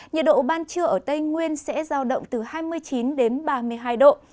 nhiệt độ ban trưa ở tây nguyên sẽ giao động từ hai mươi chín đến ba mươi hai độ